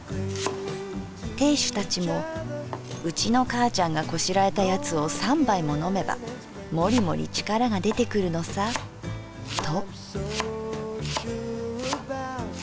亭主たちも『うちのかあちゃんがこしらえた奴を三杯ものめばもりもり力が出てくるのさ』と」。